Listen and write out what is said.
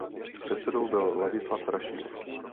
Předsedou byl Ladislav Rašín.